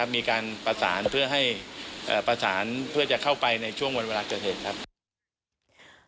มีการประสานเพื่อให้ประสานเพื่อจะเข้าไปในช่วงวันเวลาเกิดเหตุครับ